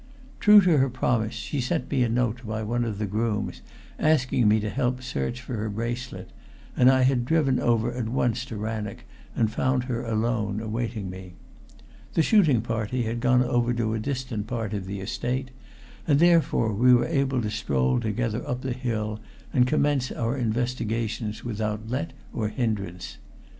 True to her promise, she had sent me a note by one of the grooms asking me to help search for her bracelet, and I had driven over at once to Rannoch and found her alone awaiting me. The shooting party had gone over to a distant part of the estate, therefore we were able to stroll together up the hill and commence our investigations without let or hindrance.